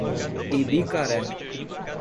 Ibicaré